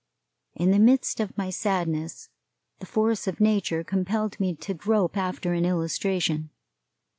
In the midst of my sadness the force of nature compelled me to grope after an illustration.